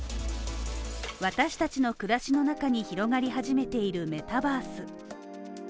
私達の暮らしの中に広がり始めているメタバース。